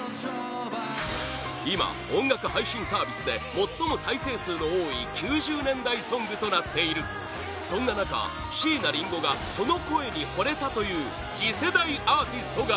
今、音楽配信サービスで最も再生数の多い９０年代ソングとなっているそんな中、椎名林檎がその声にほれたという次世代アーティストが